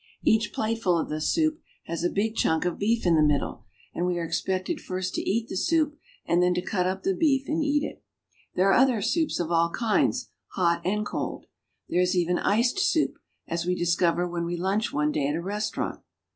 Each plateful of the soup has a big chunk of beef in the middle, and we are expected first to eat the soup and then to cut up the beef and eat it. There are other soups of all kinds, hot and cold. There is even iced soup, as we discover when we lunch one day at a restaurant.